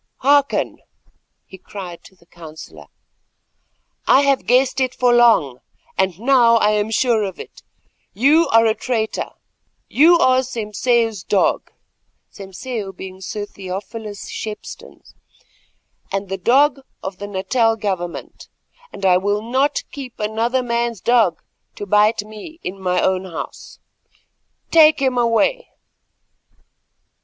"Hearken," he cried to the counsellor; "I have guessed it for long, and now I am sure of it. You are a traitor. You are Sompseu's[*] dog, and the dog of the Natal Government, and I will not keep another man's dog to bite me in my own house. Take him away!"